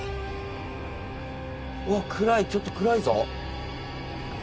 うわ暗いちょっと暗いぞ。